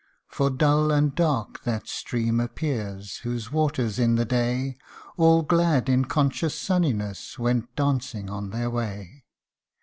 For dull and dark that stream appears, whose waters', in the day, All glad in conscious sunniness, went dancing on their way.